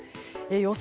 予想